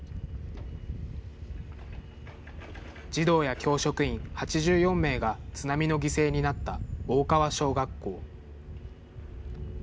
児童や教職員８４名が津波の犠牲になった大川小学校。